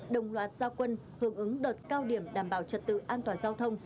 đồng loạt giao quân hưởng ứng đợt cao điểm đảm bảo trật tự an toàn giao thông